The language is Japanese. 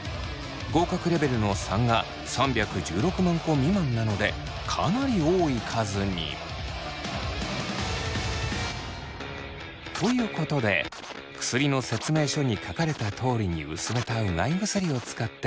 合格レベルの３が３１６万個未満なのでかなり多い数に。ということで薬の説明書に書かれたとおりに薄めたうがい薬を使ってやさしく口ゆすぎを。